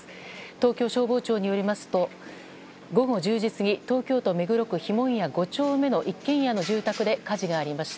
東京消防庁によりますと午後１０時過ぎ東京都目黒区碑文谷５丁目の一軒家の住宅で火事がありました。